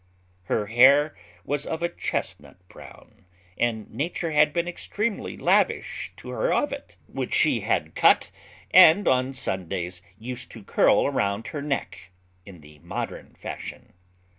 Her hair was of a chesnut brown, and nature had been extremely lavish to her of it, which she had cut, and on Sundays used to curl down her neck, in the modern fashion.